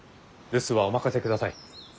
留守はお任せください。